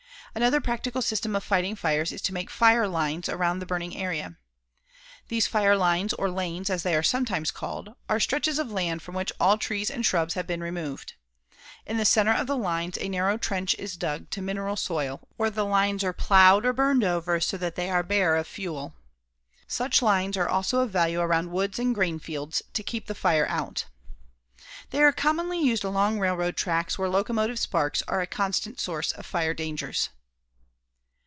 Another practical system of fighting fires is to make fire lines around the burning area. These fire lines or lanes as they are sometimes called, are stretches of land from which all trees and shrubs have been removed. In the centre of the lines a narrow trench is dug to mineral soil or the lines are plowed or burned over so that they are bare of fuel. Such lines also are of value around woods and grain fields to keep the fire out. They are commonly used along railroad tracks where locomotive sparks are a constant source of fire dangers.